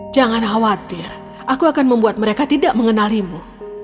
jangan khawatir aku akan membuat mereka tidak mengenalimu